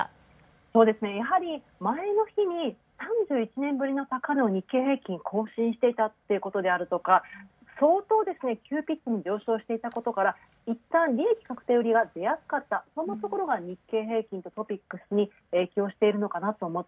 そうですね、やはり前の日に３１年ぶりの高値を日経平均更新していたとか相当急ピッチに上昇していたことから、いったん利益確定売りが出やすかった、そんなところが日経平均、ＴＯＰＩＸに影響しているのかなと。